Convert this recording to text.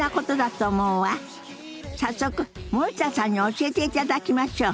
早速森田さんに教えていただきましょう。